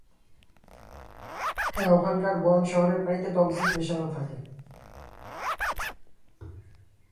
হ্যাঁ, ওখানকার বেয়োন শহরের পানিতে টক্সিন মেশানো থাকে।